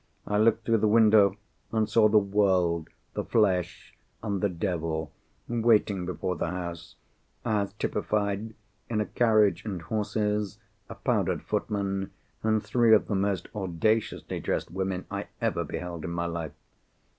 I looked through the window, and saw the World, the Flesh, and the Devil waiting before the house—as typified in a carriage and horses, a powdered footman, and three of the most audaciously dressed women I ever beheld in my life.